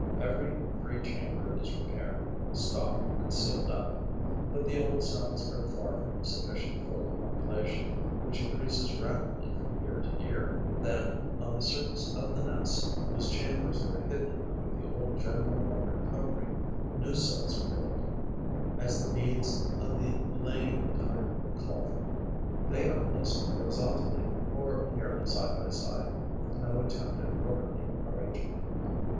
Every free chamber is repaired, stocked and sealed up. But the old cells are far from sufficient for the population, which increases rapidly from year to year. Then, on the surface of the nest, whose chambers are hidden under the old general mortar covering, new cells are built, as the needs of the laying time call for them. They are placed horizontally, or nearly so, side by side, with no attempt at orderly arrangement.